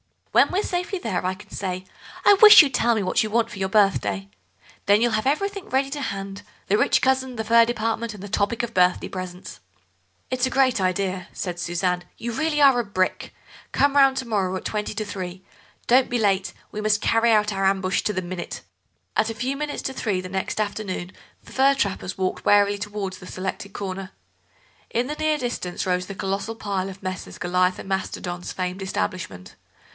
When we're safely there I can say: 'I wish you'd tell me what you want for your birthday.' Then you'll have everything ready to hand—the rich cousin, the fur department, and the topic of birthday presents." "It's a great idea," said Suzanne; "you really are a brick. Come round to morrow at twenty to three; don't be late, we must carry out our ambush to the minute." At a few minutes to three the next afternoon the fur trappers walked warily towards the selected corner. In the near distance rose the colossal pile of Messrs. Goliath and Mastodon's famed establishment.